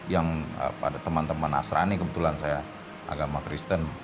yang pada teman teman asrani kebetulan saya agama kristen